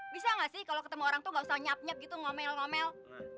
bisa nggak sih kalau ketemu orang tuh gak usah nyep nyap gitu ngomel ngomel